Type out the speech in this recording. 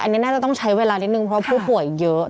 อันนี้น่าจะต้องใช้เวลานิดนึงเพราะผู้ป่วยเยอะ